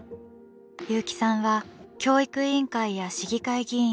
優季さんは教育委員会や市議会議員に直談判。